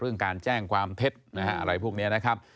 เรื่องการแจ้งความเท็ดอะไรพวกนี้นะครับ